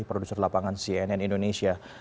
produser lapangan cnn indonesia